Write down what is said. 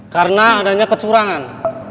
karena adanya kecurangan